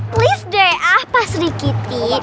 please deh ah pak sri kitty